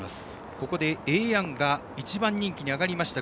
ここでエエヤンが１番人気に上がりました。